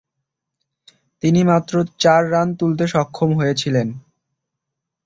তিনি মাত্র চার রান তুলতে সক্ষম হয়েছিলেন।